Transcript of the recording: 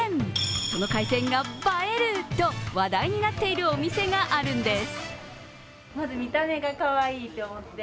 その海鮮が映えると話題になっているお店があるんです。